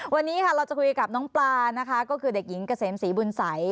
วันนี้ค่ะเราจะคุยกับน้องปลานะคะก็คือเด็กหญิงเกษมศรีบุญสัย